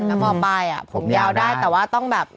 แล้วมปลายผมยาวได้แต่ว่าต้องแบบ